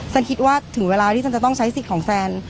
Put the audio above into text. คิดว่าถึงเวลาที่ฉันจะต้องใช้สิทธิ์ของแซน